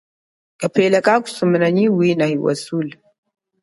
Kapela kakusumana nyi wina hiwasula.